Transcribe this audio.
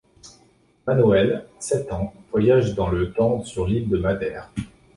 Manoel, sept ans, voyage dans le temps sur l'île de Madère.